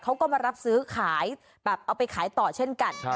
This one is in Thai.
เขาก็มารับซื้อขายแบบเอาไปขายต่อเช่นกัน